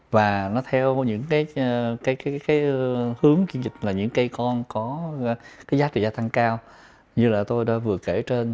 và nó theo những hướng chuyển dịch là những cây con có giá trị gia tăng cao như là tôi đã vừa kể trên